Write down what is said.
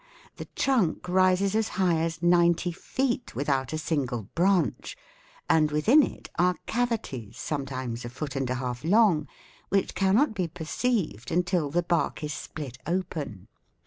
The trunk rises as high as ninety feet without a single branch, and within it are cavities, sometimes a foot and a half long, which cannot be perceived until the bark is split open.